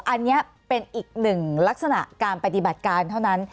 อันนี้เป็นอีกหนึ่งลักษณะการปฏิบัติการเท่านั้น